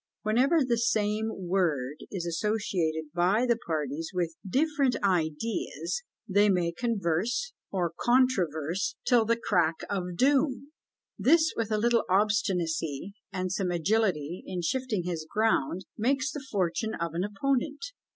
Whenever the same word is associated by the parties with different ideas, they may converse, or controverse, till "the crack of doom!" This with a little obstinacy and some agility in shifting his ground, makes the fortune of an opponent.